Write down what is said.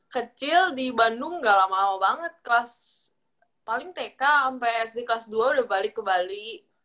kecil di bandung gak lama lama banget kelas paling tk sampai sd kelas dua udah balik ke bali